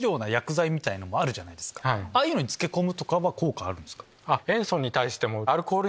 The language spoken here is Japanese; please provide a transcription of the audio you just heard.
ああいうのに漬け込むとかは効果あるんですか？